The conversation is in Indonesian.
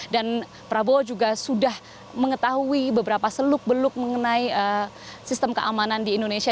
dan prabowo juga sudah mengetahui beberapa seluk beluk mengenai sistem keamanan di indonesia